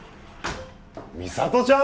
美里ちゃん？